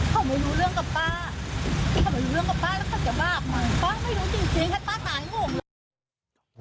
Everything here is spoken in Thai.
ป้าไม่รู้จริงค่ะป้าตายโฮง